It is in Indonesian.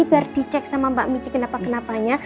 biar dicek sama mbak mici kenapa kenapanya